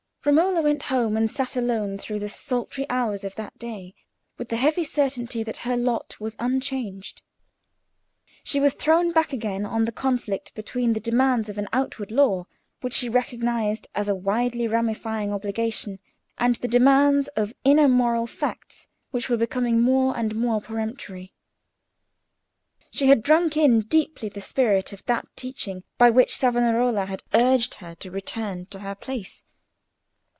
Romola went home and sat alone through the sultry hours of that day with the heavy certainty that her lot was unchanged. She was thrown back again on the conflict between the demands of an outward law, which she recognised as a widely ramifying obligation, and the demands of inner moral facts which were becoming more and more peremptory. She had drunk in deeply the spirit of that teaching by which Savonarola had urged her to return to her place.